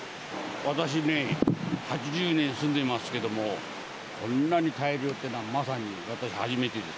私ね、８０年住んでますけども、こんなに大量っていうのは、まさに私、初めてです。